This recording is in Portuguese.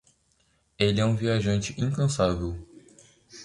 Ele é um viajante incansável.